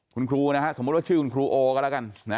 คุณครูนะฮะสมมุติว่าชื่อคุณครูโอก็แล้วกัน